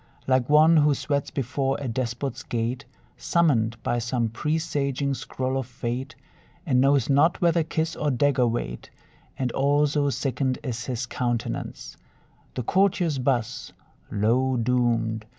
Like one who sweats before a despot's gate, Summoned by some presaging scroll of fate, And knows not whether kiss or dagger wait; And all so sickened is his countenance, The courtiers buzz, "Lo, doomed!"